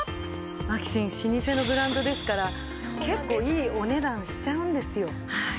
マキシン老舗のブランドですから結構いいお値段しちゃうんですよ。